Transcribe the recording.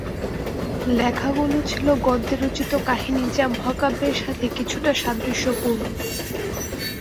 লেখাগুলো ছিল গদ্যে রচিত কাহিনী যা মহাকাব্যের সাথে কিছুটা সাদৃশ্যপূর্ণ।